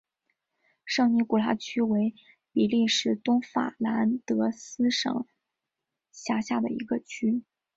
圣尼古拉区为比利时东法兰德斯省辖下的一个区。